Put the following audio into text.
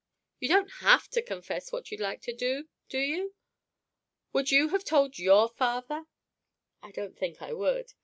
"You don't have to confess what you'd like to do, do you? Would you have told your father?" "I don't think I would."